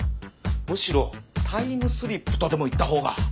むしろタイムスリップとでも言った方が。